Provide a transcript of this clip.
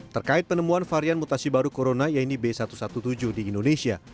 terkait penemuan varian mutasi baru corona yaitu b satu satu tujuh di indonesia